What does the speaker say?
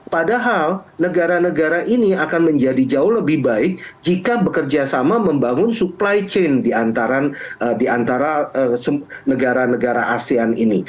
padahal negara negara ini akan menjadi jauh lebih baik jika bekerja sama membangun supply chain di antara negara negara asean ini